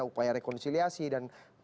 upaya rekonciliasi dan